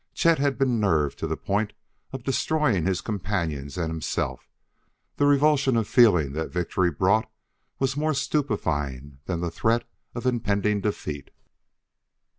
Chet had been nerved to the point of destroying his companions and himself; the revulsion of feeling that victory brought was more stupefying than the threat of impending defeat.